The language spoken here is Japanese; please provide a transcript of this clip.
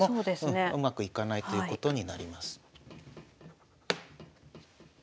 うまくいかないということになります。